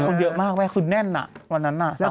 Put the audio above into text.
เขาไปขึ้นแน่นวันนั้น๓วิติ